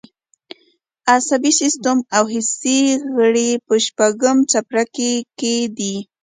عصبي سیستم او حسي غړي په شپږم څپرکي کې دي.